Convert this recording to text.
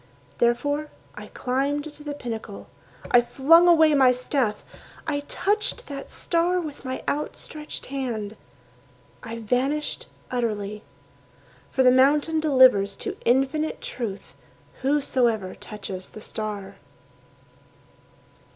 Therefore I climbed to the pinnacle. I flung away my staff. I touched that star With my outstretched hand. I vanished utterly. For the mountain delivers to Infinite Truth Whosoever touches the star.